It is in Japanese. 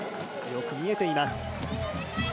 よく見えています。